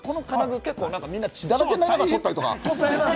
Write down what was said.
結構みんな血だらけになりながら取ったりとか。